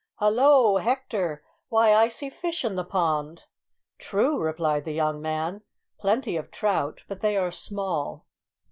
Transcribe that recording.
"Hallo! Hector; why, I see fish in the pond." "True," replied the young man, "plenty of trout; but they are small."